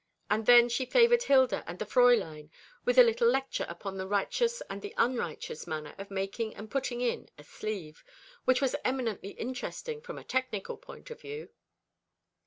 And then she favoured Hilda and the Fräulein with a little lecture upon the righteous and the unrighteous manner of making and putting in a sleeve, which was eminently interesting from a technical point of view.